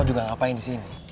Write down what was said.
juga ngapain di sini